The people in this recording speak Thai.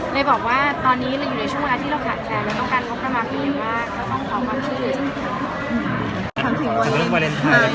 เลยบอกว่าตอนนี้มันอยู่ในช่วงเวลาที่เราขาดแผนมันต้องการพบกันมากขึ้นอย่างมาก